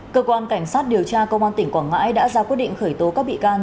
cơ quan cảnh sát điều tra công an tỉnh quảng ngãi đã ra quyết định khởi tố các bị can